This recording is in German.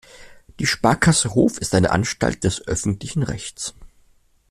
Die Sparkasse Hof ist eine Anstalt des öffentlichen Rechts.